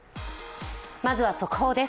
まずは速報です。